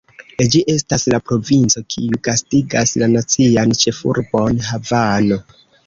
Ĝi estas la provinco kiu gastigas la nacian ĉefurbon, Havano.